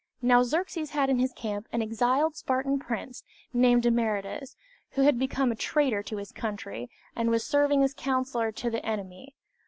Now Xerxes had in his camp an exiled Spartan prince, named Demaratus, who had become a traitor to his country, and was serving as counselor to the enemy.